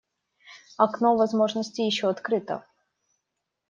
Окно возможности еще открыто.